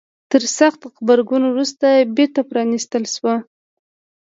تر سخت غبرګون وروسته بیرته پرانيستل شوه.